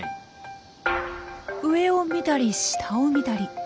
上を見たり下を見たり。